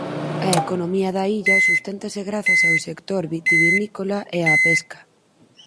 A economía da illa susténtase grazas ao sector vitivinícola e á pesca.